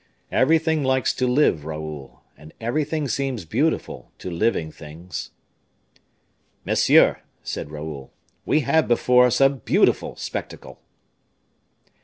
Everything likes to live, Raoul; and everything seems beautiful to living things." "Monsieur," said Raoul, "we have before us a beautiful spectacle!"